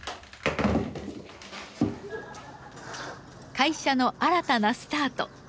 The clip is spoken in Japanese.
会社の新たなスタート。